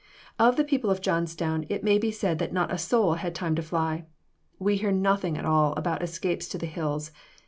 Of the people of Johnstown, it may be said that not a soul had time to fly. We hear nothing at all about escapes to the hills.